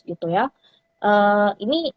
gitu ya ini